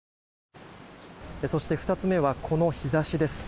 そして、２つ目はこの日差しです。